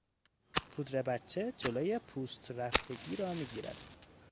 پودر بچه جلوی پوست رفتگی را میگیرد.